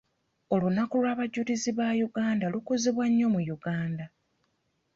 Olunaku lw'abajulizi ba Uganda lukuzibwa nnyo mu Uganda.